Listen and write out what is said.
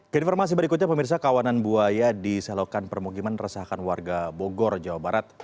keinformasi berikutnya pemirsa kawanan buaya di selokan permukiman resahkan warga bogor jawa barat